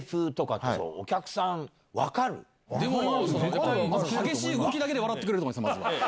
でも激しい動きだけで笑ってくれると思います。